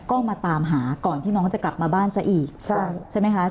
ก็มาตามหาก่อนที่น้องจะกลับมาบ้านซะอีกใช่ไหมคะ